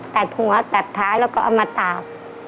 ตัดหัวตัดท้ายแล้วก็เอามาตาก